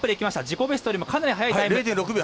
自己ベストよりもかなり早いタイミング。